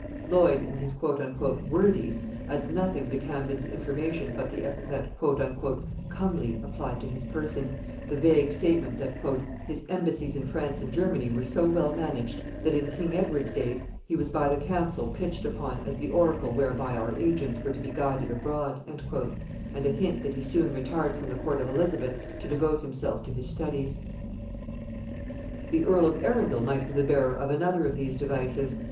Lloyd in his "Worthies" adds nothing to Camden's information but the epithet "comely" applied to his person, the vague statement that "his embassies in France and Germany were so well managed, that in king Edward's days he was by the council pitched upon as the oracle whereby our agents were to be guided abroad," and a hint that he soon retired from the court of Elizabeth to devote himself to his studies. The earl of Arundel might be the bearer of another of these devices.